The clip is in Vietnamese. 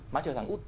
má trời tháng út